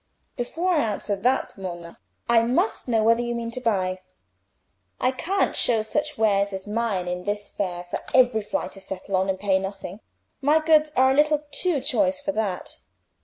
"Before I answer that, Monna, I must know whether you mean to buy. I can't show such wares as mine in this fair for every fly to settle on and pay nothing. My goods are a little too choice for that.